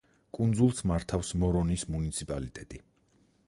კუნძულს მართავს მორონის მუნიციპალიტეტი.